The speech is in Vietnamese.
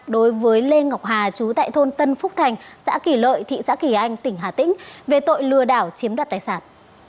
đối với lê ngọc hà chú tại thôn tân phúc thành xã kỳ lợi thị xã kỳ anh tỉnh hà tĩnh về tội lừa đảo chiếm đoạt tài sản